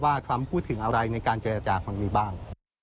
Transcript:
ทรัมป์พูดถึงอะไรในการเจรจาคนนี้บ้าง